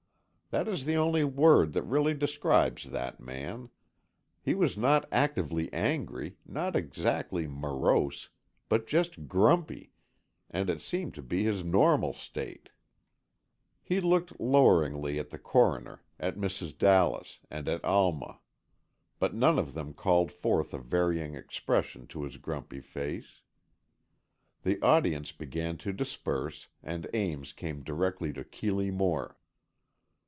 That is the only word that really describes that man. He was not actively angry, not exactly morose, but just grumpy, and it seemed to be his normal state. He looked loweringly at the Coroner, at Mrs. Dallas and at Alma. But none of them called forth a varying expression to his grumpy face. The audience began to disperse, and Ames came directly to Keeley Moore.